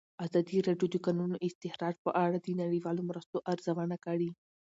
ازادي راډیو د د کانونو استخراج په اړه د نړیوالو مرستو ارزونه کړې.